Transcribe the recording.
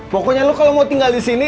pokoknya lu kalo mau tinggal disini